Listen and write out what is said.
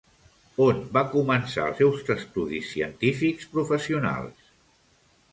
On va començar els seus estudis científics professionals?